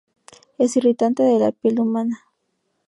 Es irritante de la piel humana.